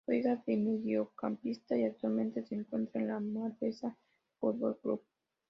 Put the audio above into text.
Juega de mediocampista y actualmente se encuentra en la Marbella Fútbol Club.